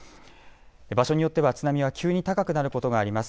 場所によっては津波は急に高くなることがあります。